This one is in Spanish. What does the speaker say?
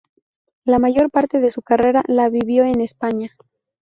La mayor parte de su carrera la vivió en España.